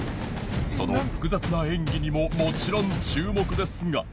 その複雑な演技にももちろん注目ですが